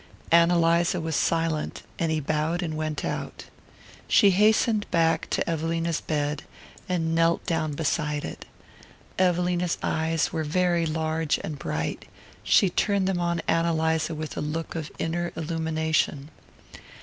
Ann Eliza was silent, and he bowed and went out. She hastened back to Evelina's bed, and knelt down beside it. Evelina's eyes were very large and bright; she turned them on Ann Eliza with a look of inner illumination.